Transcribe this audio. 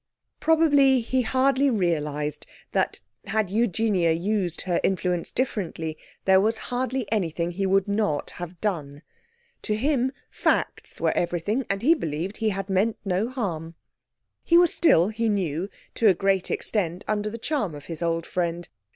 Probably he hardly realised that, had Eugenia used her influence differently, there was hardly anything he would not have done. To him facts were everything and he believed he had meant no harm. He was still, he knew, to a great extent under the charm of his old friend.